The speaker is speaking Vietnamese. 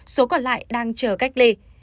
số còn lại đang chờ cách ly